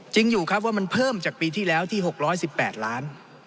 จริงอยู่ครับว่ามันเพิ่มจากปีที่แล้วที่๖๑๘ล้าน